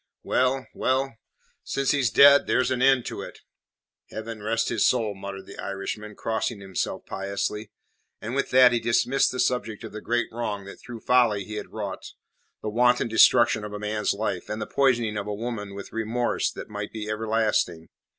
"Well, well since he's dead, there's an end to it." "Heaven rest his soul!" muttered the Irishman, crossing himself piously. And with that he dismissed the subject of the great wrong that through folly he had wrought the wanton destruction of a man's life, and the poisoning of a woman's with a remorse that might be everlasting.